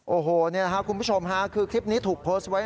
โอ้โหนี่แหละครับคุณผู้ชมค่ะคือคลิปนี้ถูกโพสต์ไว้